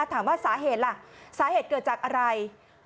ถามว่าสาเหตุล่ะสาเหตุเกิดจากอะไร